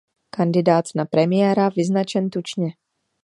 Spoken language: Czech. Kandidát na premiéra vyznačen tučně.